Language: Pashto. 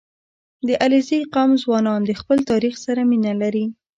• د علیزي قوم ځوانان د خپل تاریخ سره مینه لري.